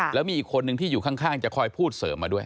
แล้วมีอีกคนนึงที่อยู่ข้างจะคอยพูดเสริมมาด้วย